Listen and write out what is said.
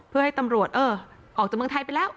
เพื่อให้ตำรวจเออออกจากเมืองไทยไปแล้ว